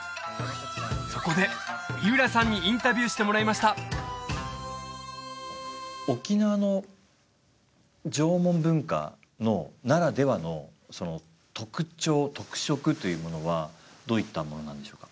そこで井浦さんにインタビューしてもらいました沖縄の縄文文化ならではのその特徴特色というものはどういったものなんでしょうか？